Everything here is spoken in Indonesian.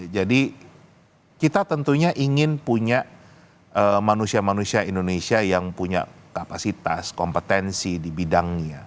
jadi kita tentunya ingin punya manusia manusia indonesia yang punya kapasitas kompetensi di bidangnya